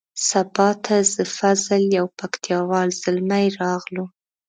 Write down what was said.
سبا ته زه فضل یو پکتیا وال زلمی راغلو.